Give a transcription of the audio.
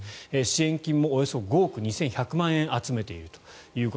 支援金も５億２１００万円を集めていると。